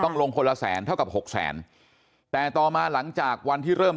ลงคนละแสนเท่ากับหกแสนแต่ต่อมาหลังจากวันที่เริ่ม